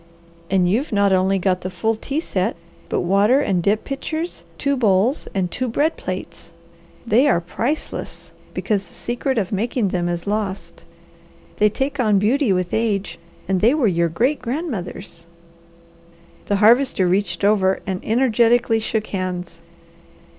And you've not only got the full tea set, but water and dip pitchers, two bowls, and two bread plates. They are priceless, because the secret of making them is lost; they take on beauty with age, and they were your great grandmother's." The Harvester reached over and energetically shook hands.